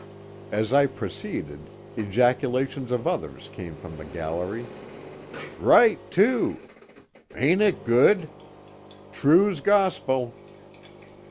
As I proceeded ejaculations of others came from the gallery, —" Eight too 1 "" Ain't it good!" " True 's gospel